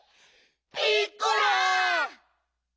ピッコラ！